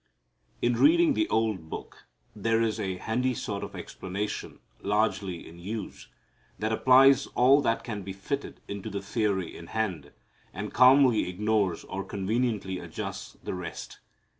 In reading the old Book there is a handy sort of explanation largely in use that applies all that can be fitted into the theory in hand, and calmly ignores or conveniently adjusts the rest.